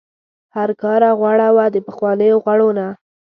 هرکاره غوړه وه د پخوانیو غوړو نه.